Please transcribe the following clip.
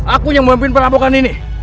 aku yang memimpin perampokan ini